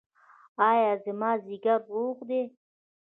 ایا زما ځیګر روغ دی؟